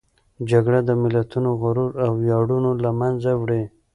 جګړه د ملتونو غرور او ویاړونه له منځه وړي.